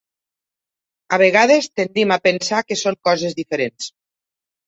A vegades tendim a pensar que són coses diferents.